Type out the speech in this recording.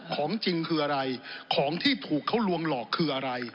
ของจริงคืออะไรของที่ผูกเขาลวงหลอกคืออะไร